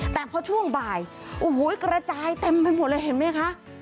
แต่พอช่วงบ่ายกระจายเต็มไปหมดเลยเห็นมั้ยคะ